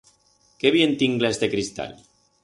Qué bien tingla este cristal!